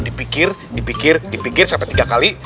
dipikir dipikir dipikir sampai tiga kali